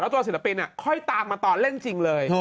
เพราะว่าตัวศิลปินค่อยตามมาต่อเล่นจริงเลย